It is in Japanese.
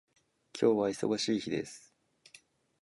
今日は忙しい日です。